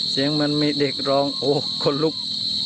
เสียงมันมีเด็กร้องโอ้คนลุก